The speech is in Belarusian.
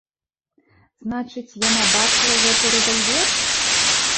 Значыць, яна бачыла гэты рэвальвер?